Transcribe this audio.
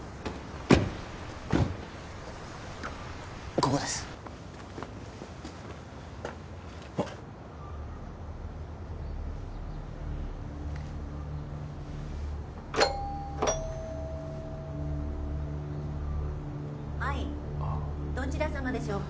ここですあっ・はいどちら様でしょうか？